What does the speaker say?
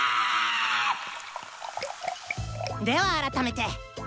では改めて。